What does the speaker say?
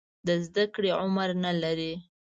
د زده کړې عمر نه لري.